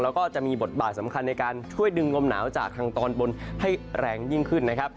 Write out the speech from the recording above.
แล้วก็จะมีบทบาทสำคัญในการช่วยดึงลมหนาวจากทางตอนบนให้แรงยิ่งขึ้นนะครับ